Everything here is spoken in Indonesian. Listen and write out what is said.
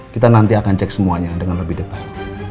kita nanti akan cek semuanya dengan lebih detail